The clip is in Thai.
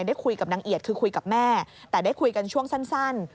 ได้คุยกับนางเอียดคือคุยกับแม่แต่ได้คุยกันช่วงสั้น